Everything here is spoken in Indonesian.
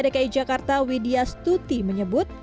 dki jakarta widya stuti menyebut